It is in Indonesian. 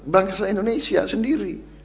bangsa indonesia sendiri